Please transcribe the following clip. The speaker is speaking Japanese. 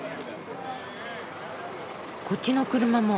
こっちの車も。